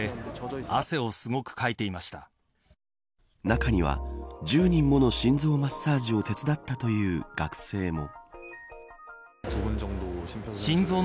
中には１０人もの心臓マッサージを手伝ったという学生も。